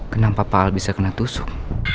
kenapa pak al bisa kena tusuk